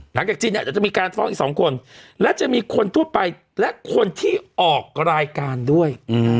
หลังจากจีนเนี่ยเดี๋ยวจะมีการฟ้องอีก๒คนและจะมีคนทั่วไปและคนที่ออกรายการด้วย